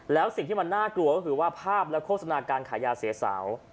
แล้วสิ่งที่มันน่ากลัวก็คือว่าภาพและโฆษณาการขายยาเสียสาว